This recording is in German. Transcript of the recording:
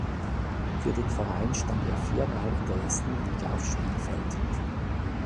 Für den Verein stand er viermal in der ersten Liga auf Spielfeld.